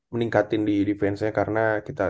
meningkatin di defense nya karena kita